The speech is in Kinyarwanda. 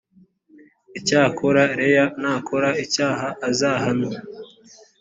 icyakora leah nakora icyaha azahanwe